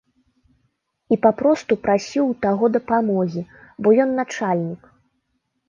І папросту прасіў у таго дапамогі, бо ён начальнік.